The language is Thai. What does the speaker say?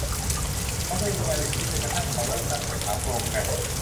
เขาเคยมีงานในชีวิต จนกระทั่งเขาเริ่มตั้งคำถามโปรแกรม